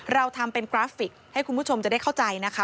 เราทำเป็นกราฟิกให้คุณผู้ชมจะได้เข้าใจนะคะ